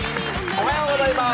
おはようございます。